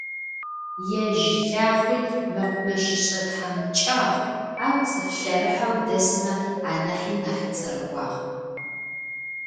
Ежь Лахъуи мэкъумэщышӏэ тхьамыкӏагъ, ау цӏыф лъэрыхьэу дэсмэ анахьи нахь цӏэрыӏуагъ.